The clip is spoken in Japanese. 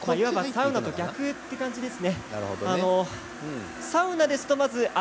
サウナと逆という感じですね。